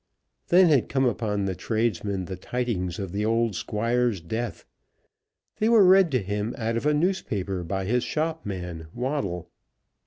Then had come upon the tradesman the tidings of the old Squire's death. They were read to him out of a newspaper by his shopman, Waddle.